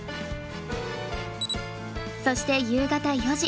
そして夕方４時。